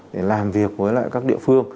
để làm việc với lại các địa phương